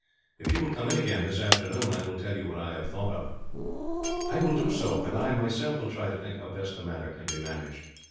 If you will come in again, this afternoon, I will tell you what I have thought of." "I will do so; and I, myself, will try to think how best the matter can be managed.